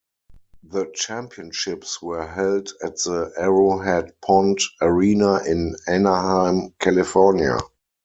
The Championships were held at the Arrowhead Pond arena in Anaheim, California.